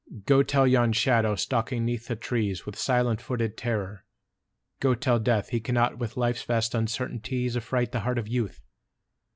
Go tell yon shadow stalking 'neath the trees With silent footed terror, go tell Death He cannot with Life's vast uncertainties Affright the heart of Youth